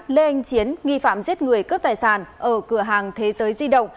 lê anh chiến nghi phạm giết người cướp tài sản ở cửa hàng thế giới di động